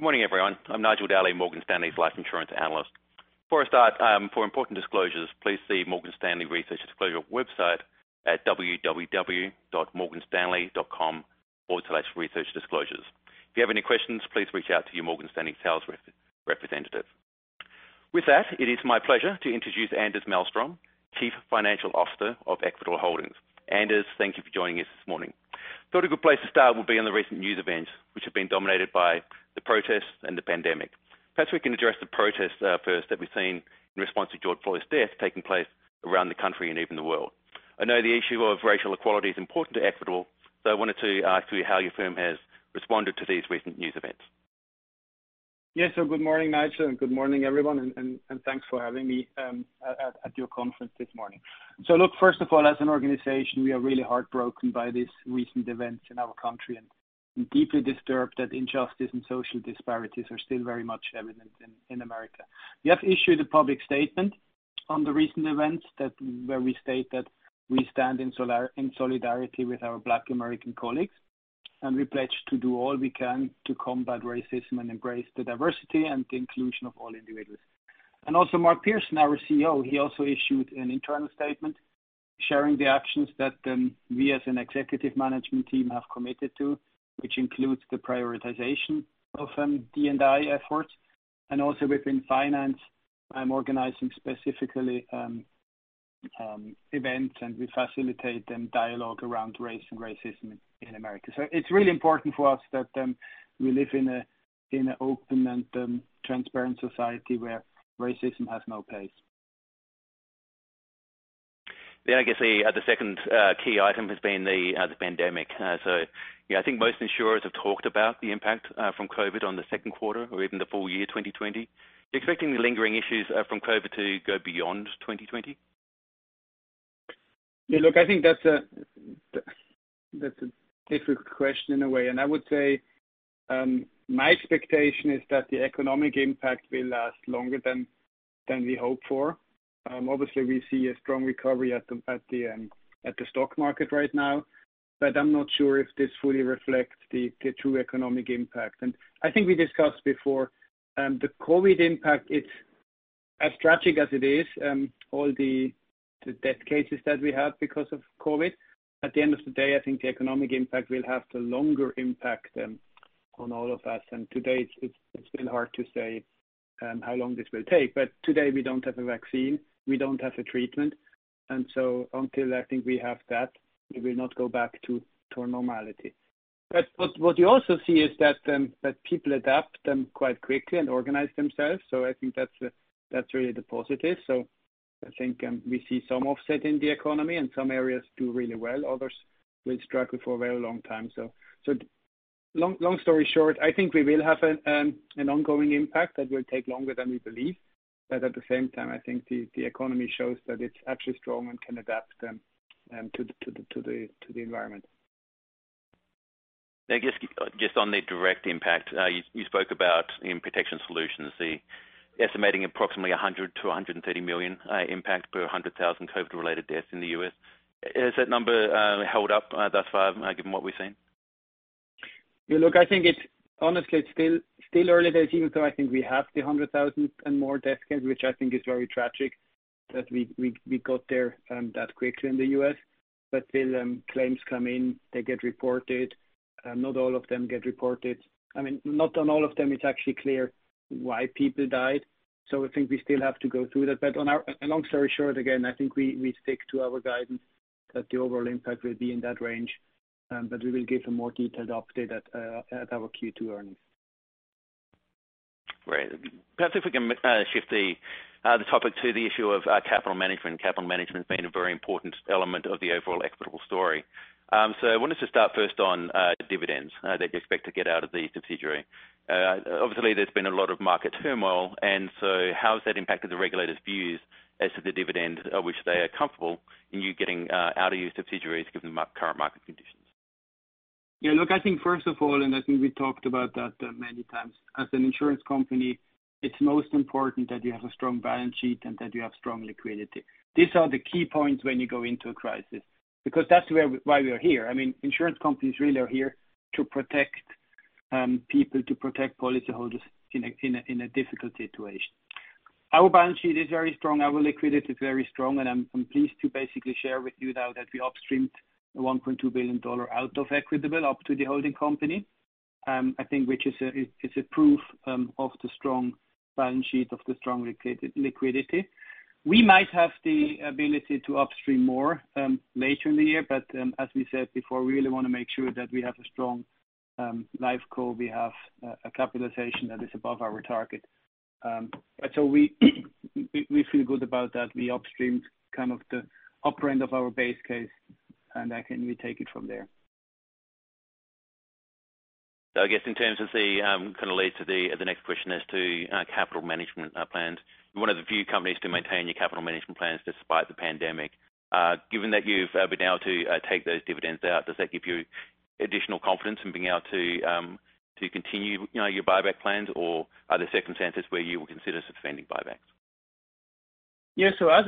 Good morning, everyone. I'm Nigel Dally, Morgan Stanley's life insurance analyst. Before I start, for important disclosures, please see Morgan Stanley Research Disclosure website at www.morganstanley.com/researchdisclosures. If you have any questions, please reach out to your Morgan Stanley sales representative. With that, it is my pleasure to introduce Anders Malmström, Chief Financial Officer of Equitable Holdings. Anders, thank you for joining us this morning. Thought a good place to start would be on the recent news events, which have been dominated by the protests and the pandemic. Perhaps we can address the protests first that we've seen in response to George Floyd's death taking place around the country and even the world. I know the issue of racial equality is important to Equitable, so I wanted to ask you how your firm has responded to these recent news events. Yes. Good morning, Nigel, and good morning, everyone, and thanks for having me at your conference this morning. Look, first of all, as an organization, we are really heartbroken by these recent events in our country and deeply disturbed that injustice and social disparities are still very much evident in America. We have issued a public statement on the recent events where we state that we stand in solidarity with our Black American colleagues, and we pledge to do all we can to combat racism and embrace the diversity and inclusion of all individuals. Mark Pearson, our CEO, he also issued an internal statement sharing the actions that we as an executive management team have committed to, which includes the prioritization of D&I efforts. Within finance, I'm organizing specifically events, and we facilitate them dialogue around race and racism in America. It's really important for us that we live in an open and transparent society where racism has no place. I guess the second key item has been the pandemic. Yeah, I think most insurers have talked about the impact from COVID on the second quarter or even the full year 2020. Do you expect any lingering issues from COVID to go beyond 2020? Yeah, look, I think that's a difficult question in a way. I would say my expectation is that the economic impact will last longer than we hope for. Obviously, we see a strong recovery at the stock market right now, but I'm not sure if this fully reflects the true economic impact. I think we discussed before, the COVID impact, as tragic as it is, all the death cases that we have because of COVID, at the end of the day, I think the economic impact will have the longer impact on all of us. Today it's been hard to say how long this will take. Today we don't have a vaccine, we don't have a treatment, until I think we have that, we will not go back to normality. What you also see is that people adapt quite quickly and organize themselves. I think that's really the positive. I think we see some offset in the economy and some areas do really well, others will struggle for a very long time. Long story short, I think we will have an ongoing impact that will take longer than we believe, at the same time, I think the economy shows that it's actually strong and can adapt to the environment. I guess just on the direct impact, you spoke about in Protection Solutions, the estimating approximately $100 million to $130 million impact per 100,000 COVID-related deaths in the U.S. Has that number held up thus far given what we've seen? Look, I think honestly, it's still early days, even though I think we have the 100,000 and more death count, which I think is very tragic that we got there that quickly in the U.S. Still claims come in, they get reported. Not all of them get reported. Not on all of them it's actually clear why people died. I think we still have to go through that. Long story short, again, I think we stick to our guidance that the overall impact will be in that range, we will give a more detailed update at our Q2 earnings. Perhaps if we can shift the topic to the issue of capital management. Capital management has been a very important element of the overall Equitable story. I wanted to start first on dividends that you expect to get out of the subsidiary. Obviously, there's been a lot of market turmoil, how has that impacted the regulators' views as to the dividends at which they are comfortable in you getting out of your subsidiaries given the current market conditions? I think first of all, I think we talked about that many times, as an insurance company, it's most important that you have a strong balance sheet and that you have strong liquidity. These are the key points when you go into a crisis, because that's why we are here. Insurance companies really are here to protect people, to protect policyholders in a difficult situation. Our balance sheet is very strong, our liquidity is very strong, I'm pleased to basically share with you now that we upstreamed $1.2 billion out of Equitable up to the holding company, I think which is a proof of the strong balance sheet, of the strong liquidity. We might have the ability to upstream more later in the year, as we said before, we really want to make sure that we have a strong life core, we have a capitalization that is above our target. We feel good about that. We upstreamed the upper end of our base case, then can we take it from there. I guess in terms of the lead to the next question as to capital management plans. You're one of the few companies to maintain your capital management plans despite the pandemic. Given that you've been able to take those dividends out, does that give you additional confidence in being able to continue your buyback plans, or are there circumstances where you will consider suspending buybacks?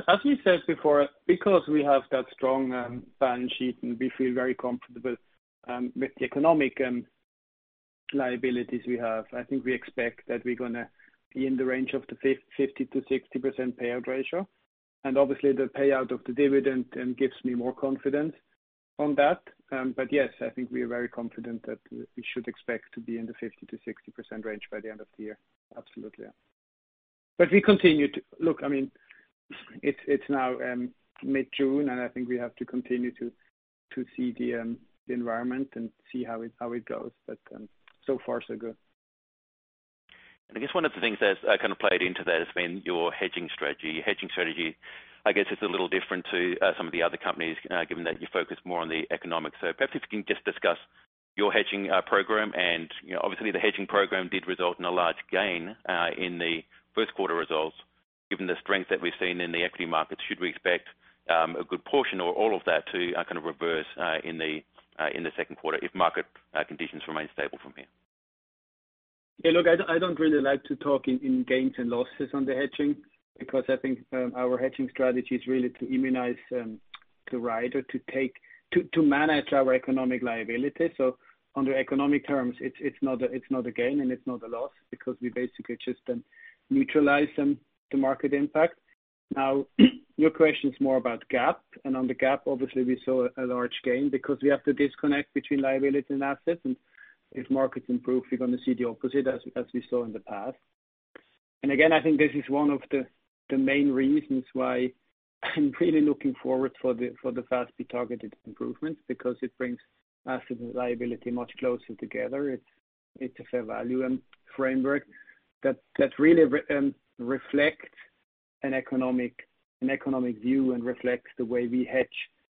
As we said before, because we have that strong balance sheet, we feel very comfortable with the economic liabilities we have. I think we expect that we are going to be in the range of the 50%-60% payout ratio. Obviously, the payout of the dividend then gives me more confidence on that. Yes, I think we are very confident that we should expect to be in the 50%-60% range by the end of the year. Absolutely. It is now mid-June, and I think we have to continue to see the environment and see how it goes. So far so good. I guess one of the things that has kind of played into that has been your hedging strategy. Your hedging strategy, I guess it is a little different to some of the other companies, given that you focus more on the economics. Perhaps if you can just discuss your hedging program and obviously the hedging program did result in a large gain in the first quarter results. Given the strength that we have seen in the equity markets, should we expect a good portion or all of that to kind of reverse in the second quarter if market conditions remain stable from here? Look, I do not really like to talk in gains and losses on the hedging because I think our hedging strategy is really to immunize, to ride or to manage our economic liability. On the economic terms, it is not a gain and it is not a loss because we basically just neutralize the market impact. Your question is more about GAAP, on the GAAP, obviously we saw a large gain because we have the disconnect between liability and assets, and if markets improve, you are going to see the opposite as we saw in the past. Again, I think this is one of the main reasons why I am really looking forward for the FASB targeted improvements because it brings assets and liability much closer together. It is a fair value framework that really reflects an economic view and reflects the way we hedge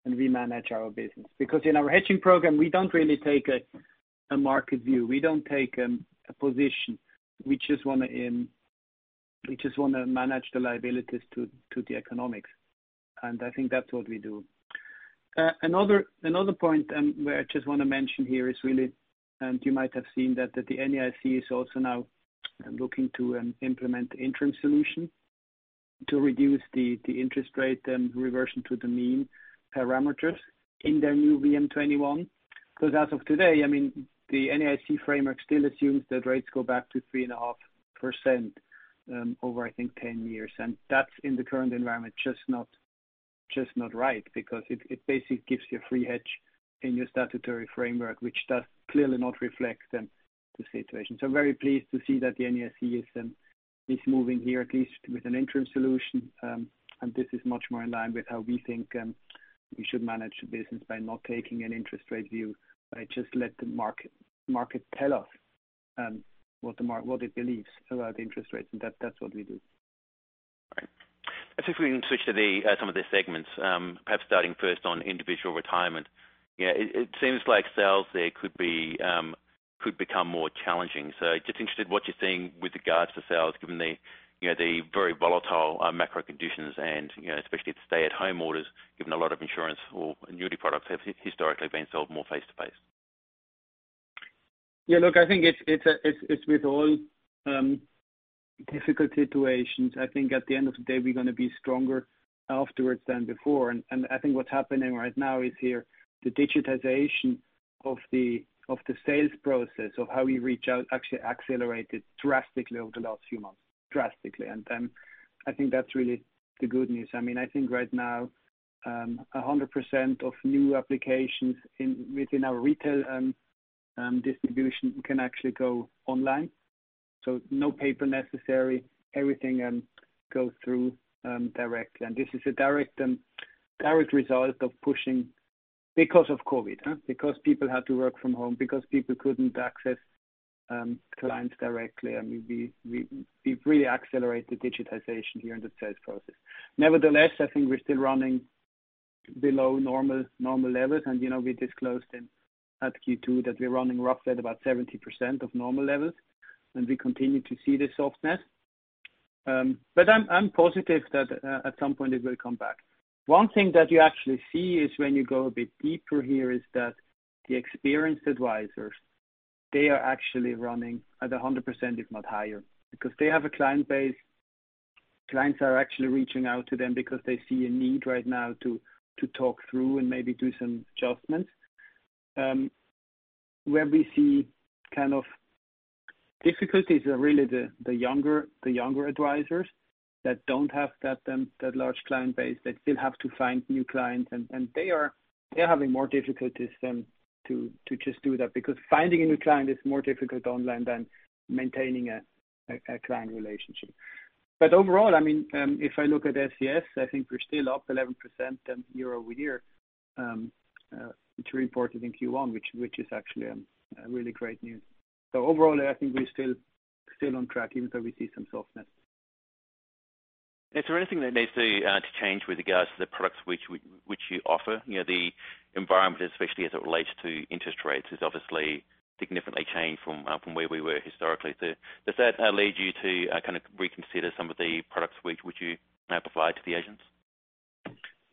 and we manage our business. In our hedging program, we do not really take a market view. We do not take a position. We just want to manage the liabilities to the economics. I think that is what we do. Another point where I just want to mention here is really, you might have seen that the NAIC is also now looking to implement interim solution to reduce the interest rate and reversion to the mean parameters in their new VM-21. As of today, the NAIC framework still assumes that rates go back to 3.5% over, I think, 10 years. That in the current environment, just not right because it basically gives you a free hedge in your statutory framework, which does clearly not reflect the situation. Very pleased to see that the NAIC is moving here, at least with an interim solution. This is much more in line with how we think we should manage the business by not taking an interest rate view, but just let the market tell us what it believes about interest rates, and that's what we do. Right. I think we can switch to some of the segments, perhaps starting first on individual retirement. It seems like sales there could become more challenging. Just interested what you're seeing with regards to sales, given the very volatile macro conditions and especially the stay-at-home orders, given a lot of insurance or annuity products have historically been sold more face-to-face. Yeah, look, I think it's with all difficult situations. I think at the end of the day, we're going to be stronger afterwards than before. I think what's happening right now is here, the digitization of the sales process, of how we reach out actually accelerated drastically over the last few months. Drastically. I think that's really the good news. I think right now, 100% of new applications within our retail distribution can actually go online. No paper necessary. Everything goes through directly. This is a direct result of pushing because of COVID. People had to work from home, people couldn't access clients directly. We've really accelerated digitization here in the sales process. Nevertheless, I think we're still running below normal levels, and we disclosed at Q2 that we're running roughly at about 70% of normal levels, and we continue to see the softness. I'm positive that at some point it will come back. One thing that you actually see is when you go a bit deeper here is that the experienced advisors, they are actually running at 100%, if not higher. They have a client base, clients are actually reaching out to them because they see a need right now to talk through and maybe do some adjustments. Where we see kind of difficulties are really the younger advisors that don't have that large client base, that still have to find new clients, and they're having more difficulties than to just do that. Finding a new client is more difficult online than maintaining a client relationship. Overall, if I look at SCS, I think we're still up 11% year-over-year, which we reported in Q1, which is actually really great news. Overall, I think we're still on track even though we see some softness. Is there anything that needs to change with regards to the products which you offer? The environment, especially as it relates to interest rates, has obviously significantly changed from where we were historically. Does that lead you to kind of reconsider some of the products which you now provide to the agents?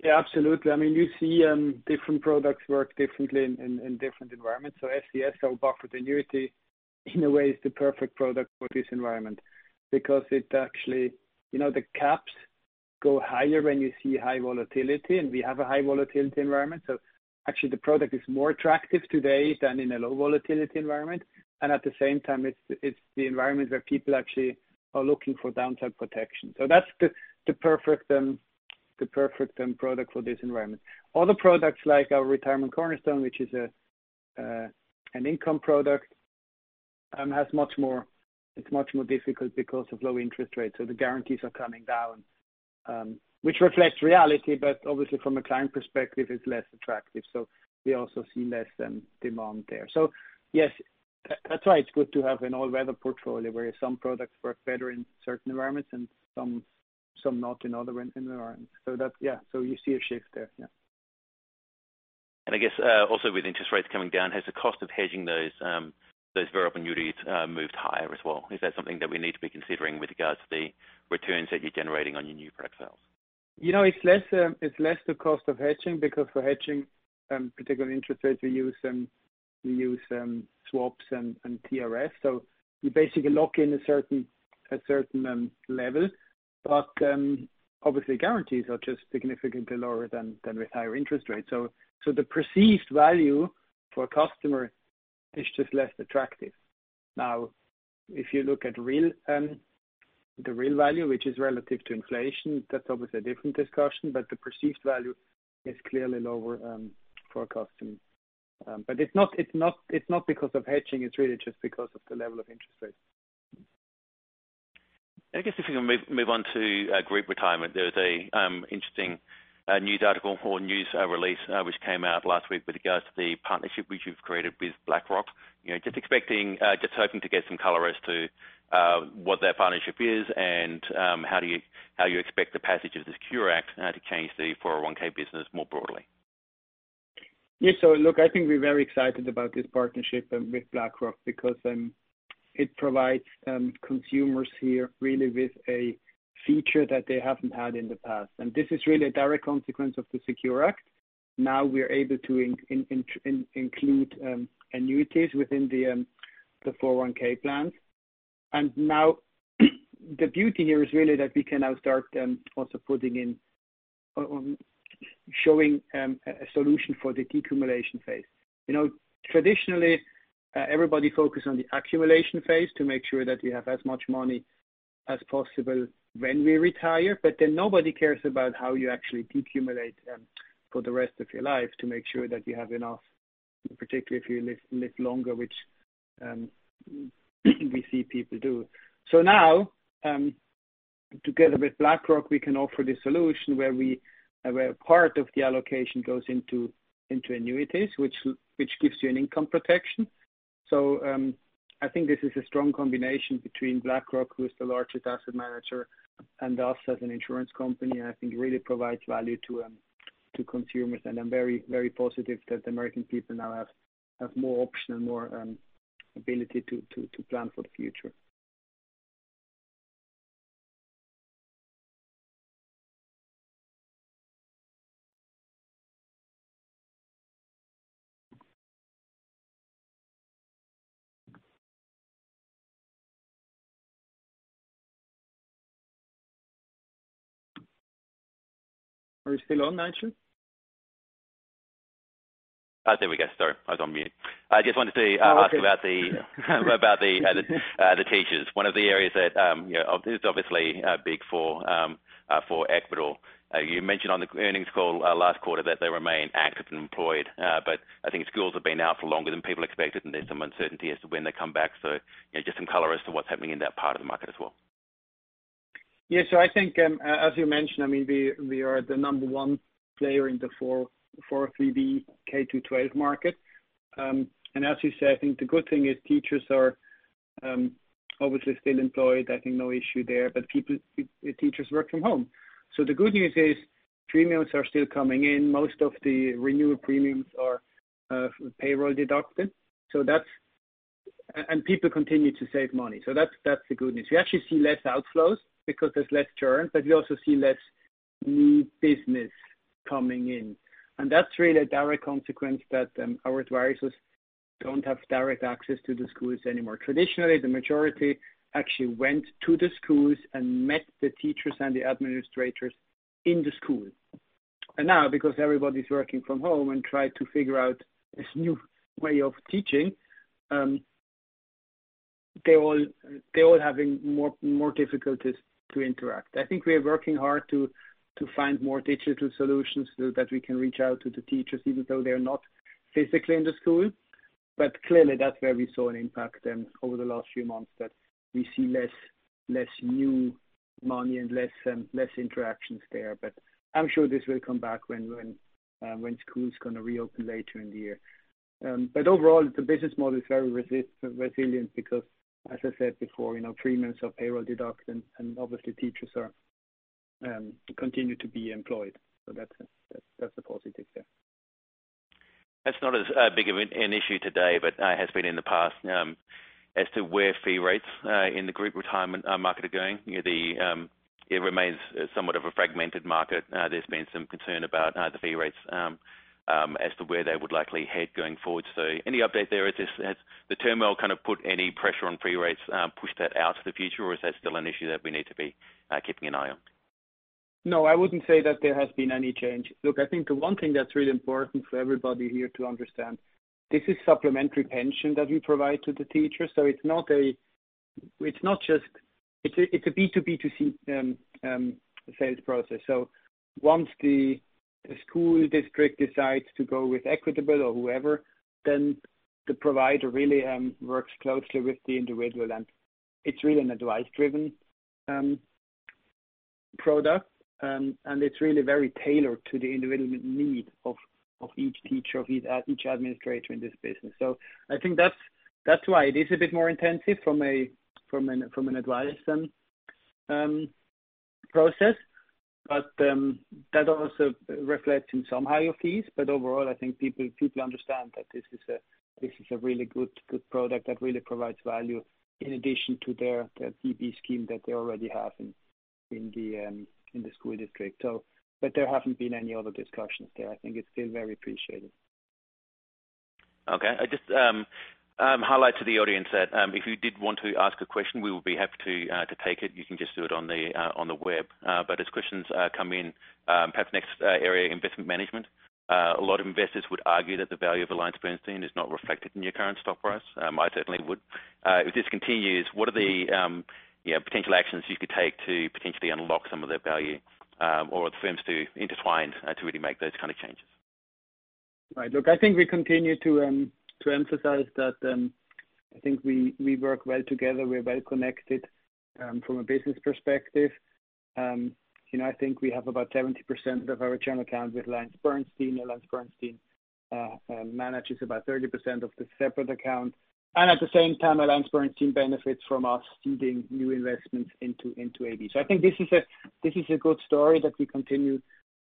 Yeah, absolutely. You see different products work differently in different environments. SCS, our buffered annuity, in a way, is the perfect product for this environment because the caps go higher when you see high volatility, and we have a high volatility environment. Actually the product is more attractive today than in a low volatility environment. At the same time, it's the environment where people actually are looking for downside protection. That's the perfect product for this environment. Other products like our Retirement Cornerstone, which is an income product, it's much more difficult because of low interest rates. The guarantees are coming down, which reflects reality, but obviously from a client perspective, it's less attractive. We also see less demand there. Yes, that's why it's good to have an all-weather portfolio, where some products work better in certain environments and some not in other environments. You see a shift there. Yeah. I guess, also with interest rates coming down, has the cost of hedging those variable annuities moved higher as well? Is that something that we need to be considering with regards to the returns that you're generating on your new product sales? It's less the cost of hedging, because for hedging, particularly interest rates, we use swaps and TRS. We basically lock in a certain level. Obviously guarantees are just significantly lower than with higher interest rates. The perceived value for a customer is just less attractive. If you look at the real value, which is relative to inflation, that's obviously a different discussion, but the perceived value is clearly lower for a customer. It's not because of hedging, it's really just because of the level of interest rates. I guess if you can move on to group retirement, there's an interesting news article or news release which came out last week with regards to the partnership which you've created with BlackRock. Just hoping to get some color as to what that partnership is and how you expect the passage of the SECURE Act to change the 401 business more broadly. Look, I think we're very excited about this partnership with BlackRock because it provides consumers here really with a feature that they haven't had in the past. This is really a direct consequence of the SECURE Act. We're able to include annuities within the 401 plans. The beauty here is really that we can now start also showing a solution for the decumulation phase. Traditionally, everybody focused on the accumulation phase to make sure that we have as much money as possible when we retire, but then nobody cares about how you actually decumulate for the rest of your life to make sure that you have enough, particularly if you live longer, which we see people do. Now, together with BlackRock, we can offer the solution where a part of the allocation goes into annuities, which gives you an income protection. I think this is a strong combination between BlackRock, who is the largest asset manager, and us as an insurance company, I think really provides value to consumers. I'm very positive that the American people now have more options and more ability to plan for the future. Are you still on, Nigel? There we go. Sorry, I was on mute. I just wanted to- Oh, okay I wanted to ask about the teachers. One of the areas that is obviously big for Equitable. You mentioned on the earnings call last quarter that they remain active and employed. I think schools have been out for longer than people expected, and there's some uncertainty as to when they come back. Just some color as to what's happening in that part of the market as well. I think, as you mentioned, we are the number one player in the 403(b) K-12 market. As you say, I think the good thing is teachers are obviously still employed. I think no issue there. Teachers work from home. The good news is premiums are still coming in. Most of the renewal premiums are payroll deducted. People continue to save money. That's the good news. We actually see less outflows because there's less churn, but we also see less new business coming in. That's really a direct consequence that our advisors don't have direct access to the schools anymore. Traditionally, the majority actually went to the schools and met the teachers and the administrators in the schools. Now, because everybody's working from home and try to figure out this new way of teaching, they're all having more difficulties to interact. I think we are working hard to find more digital solutions so that we can reach out to the teachers, even though they're not physically in the school. Clearly, that's where we saw an impact over the last few months, that we see less new money and less interactions there. I'm sure this will come back when school's going to reopen later in the year. Overall, the business model is very resilient because, as I said before, premiums are payroll deducted, and obviously teachers continue to be employed. That's a positive there. That's not as big of an issue today, but has been in the past as to where fee rates, in the group retirement market are going. It remains somewhat of a fragmented market. There's been some concern about the fee rates as to where they would likely head going forward. Any update there? Has the turmoil put any pressure on fee rates, pushed that out to the future, or is that still an issue that we need to be keeping an eye on? I wouldn't say that there has been any change. Look, I think the one thing that's really important for everybody here to understand, this is supplementary pension that we provide to the teacher. It's a B2B2C sales process. Once the school district decides to go with Equitable or whoever, then the provider really works closely with the individual, and it's really an advice-driven product. It's really very tailored to the individual need of each teacher, of each administrator in this business. I think that's why it is a bit more intensive from an advice process. That also reflects in some higher fees. Overall, I think people understand that this is a really good product that really provides value in addition to their DB scheme that they already have in the school district. There haven't been any other discussions there. I think it's still very appreciated. Okay. I just highlight to the audience that, if you did want to ask a question, we would be happy to take it. You can just do it on the web. As questions come in, perhaps next area, investment management. A lot of investors would argue that the value of AllianceBernstein is not reflected in your current stock price. I certainly would. If this continues, what are the potential actions you could take to potentially unlock some of that value, or are the firms too intertwined to really make those kind of changes? Look, I think we continue to emphasize that I think we work well together. We're well connected, from a business perspective. I think we have about 70% of our general account with AllianceBernstein manages about 30% of the separate accounts. At the same time, AllianceBernstein benefits from us seeding new investments into AB. I think this is a good story that we continue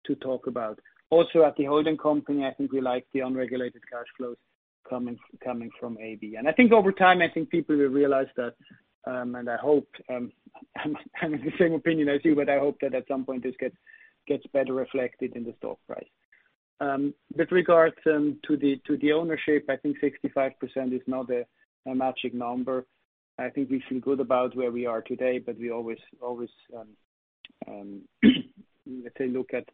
to talk about. Also at the holding company, I think we like the unregulated cash flows coming from AB. I think over time, I think people will realize that, and I hope, I'm the same opinion as you, but I hope that at some point this gets better reflected in the stock price. With regards to the ownership, I think 65% is not a magic number. I think we feel good about where we are today, but we always take a look at,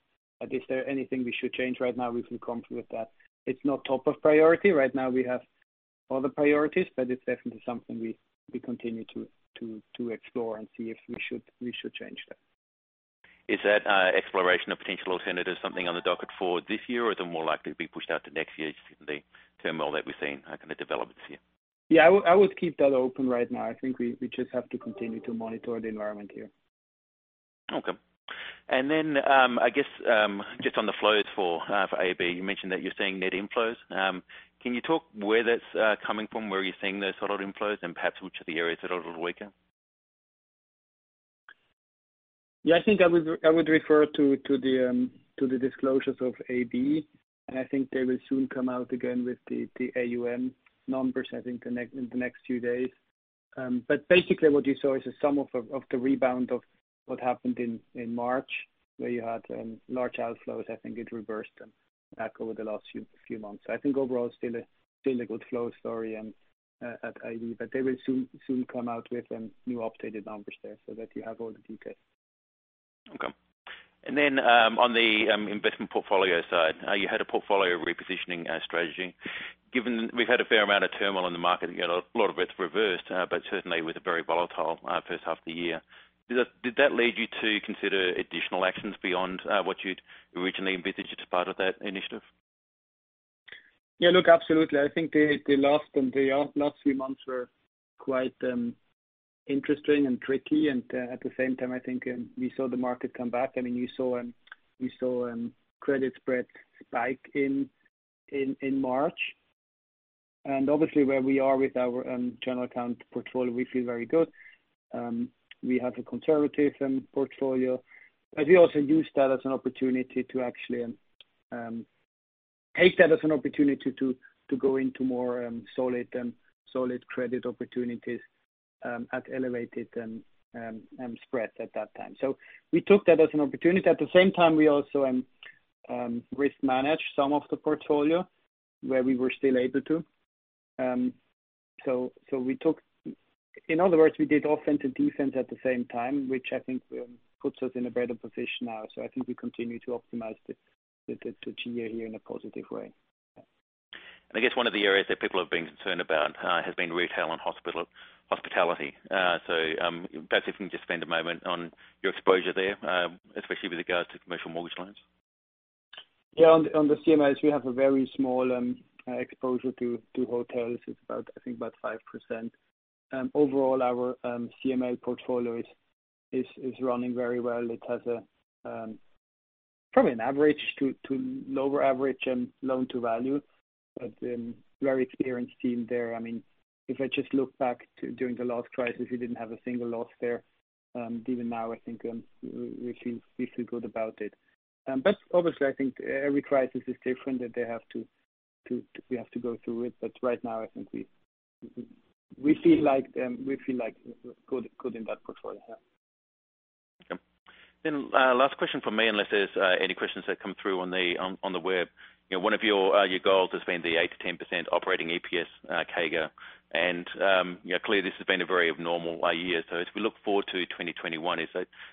is there anything we should change right now? We feel comfortable with that. It's not top of priority. Right now we have other priorities, but it's definitely something we continue to explore and see if we should change that. Is that exploration of potential alternatives something on the docket for this year, or is it more likely to be pushed out to next year given the turmoil that we're seeing, developments here? Yeah, I would keep that open right now. I think we just have to continue to monitor the environment here. Okay. I guess, just on the flows for AB, you mentioned that you're seeing net inflows. Can you talk where that's coming from, where you're seeing those sort of inflows and perhaps which are the areas that are a little weaker? Yeah, I think I would refer to the disclosures of AB, and I think they will soon come out again with the AUM numbers, I think in the next few days. Basically what you saw is a sum of the rebound of what happened in March, where you had large outflows. I think it reversed back over the last few months. I think overall still a good flow story at AB. They will soon come out with new updated numbers there so that you have all the details. Okay. On the investment portfolio side, you had a portfolio repositioning strategy. Given we've had a fair amount of turmoil in the market, a lot of it's reversed, but certainly it was a very volatile first half of the year. Did that lead you to consider additional actions beyond what you'd originally envisaged as part of that initiative? Yeah. Look, absolutely. I think the last three months were quite interesting and tricky, at the same time, I think we saw the market come back. You saw credit spreads spike in March. Obviously where we are with our general account portfolio, we feel very good. We have a conservative portfolio. We also use that as an opportunity to actually take that as an opportunity to go into more solid credit opportunities at elevated spreads at that time. We took that as an opportunity. At the same time, we also risk managed some of the portfolio where we were still able to. In other words, we did offense and defense at the same time, which I think puts us in a better position now. I think we continue to optimize to cheer here in a positive way. I guess one of the areas that people have been concerned about has been retail and hospitality. Perhaps if you can just spend a moment on your exposure there, especially with regards to commercial mortgage loans. Yeah. On the CMLs, we have a very small exposure to hotels. It's about, I think about 5%. Overall, our CML portfolio is running very well. It has probably an average to lower average loan-to-value, but very experienced team there. If I just look back to during the last crisis, we didn't have a single loss there. Even now, I think we feel good about it. Obviously, I think every crisis is different that we have to go through it. Right now, I think we feel good in that portfolio. Okay. Last question from me, unless there's any questions that come through on the web. One of your goals has been the 8%-10% operating EPS CAGR. Clearly, this has been a very abnormal year. As we look forward to 2021,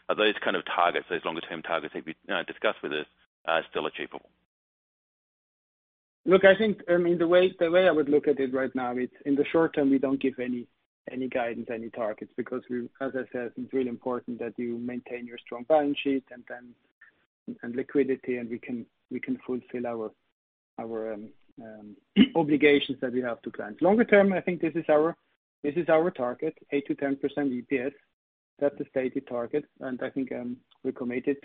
are those kind of targets, those longer-term targets that you discussed with us still achievable? Look, I think, the way I would look at it right now, in the short term, we don't give any guidance, any targets, because as I said, it's really important that you maintain your strong balance sheet and liquidity, and we can fulfill our obligations that we have to clients. Longer term, I think this is our target, 8%-10% EPS. That's the stated target, and I think we're committed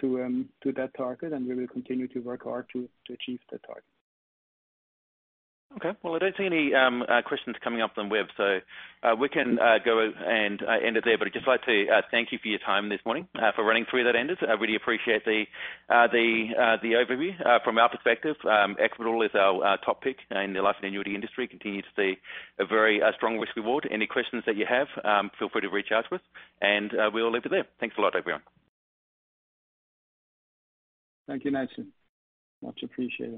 to that target, and we will continue to work hard to achieve that target. Okay. Well, I don't see any questions coming up on the web. We can go and end it there. I'd just like to thank you for your time this morning, for running through that, Anders. I really appreciate the overview. From our perspective, Equitable is our top pick in the life and annuity industry. Continues to be a very strong risk reward. Any questions that you have, feel free to reach out to us. We'll leave it there. Thanks a lot, everyone. Thank you, Nigel. Much appreciated.